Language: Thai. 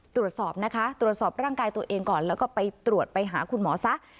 ตรวจสอบนะคะตรวจสอบร่างกายตัวเองก่อนแล้วก็ไปตรวจไปหาคุณหมอซะ